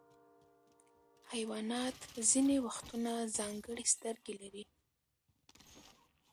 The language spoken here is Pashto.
حیوانات ځینې وختونه ځانګړي سترګې لري.